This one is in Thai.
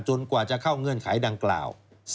กว่าจะเข้าเงื่อนไขดังกล่าว